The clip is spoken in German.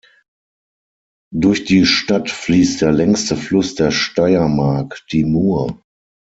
Durch die Stadt fließt der längste Fluss der Steiermark, die Mur.